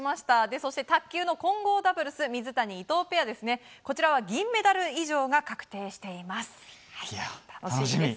そして卓球の混合ダブルス水谷、伊藤ペアは銀メダル以上が確定しています。